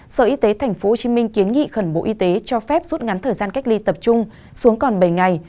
sở y tế tp hcm kiến nghị khẩn bộ y tế cho phép rút ngắn thời gian cách ly tập trung xuống còn bảy ngày